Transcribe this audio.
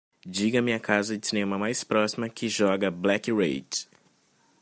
Diga-me a casa de cinema mais próxima que joga Black Rage